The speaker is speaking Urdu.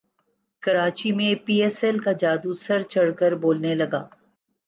کراچی میں پی ایس ایل کا جادو سر چڑھ کر بولنے لگا